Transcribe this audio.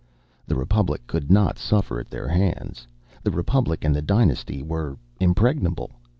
The Republic could not suffer at their hands; the Republic and the dynasty were impregnable.